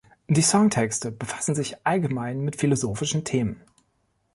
Die Songtexte befassen sich allgemein mit philosophischen Themen.